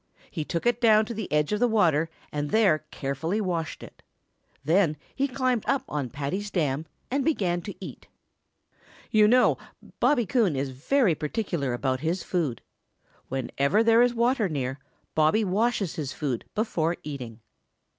He took it down to the edge of the water and there carefully washed it. Then he climbed up on Paddy's dam and began to eat. You know Bobby Coon is very particular about his food. Whenever there is water near, Bobby washes his food before eating.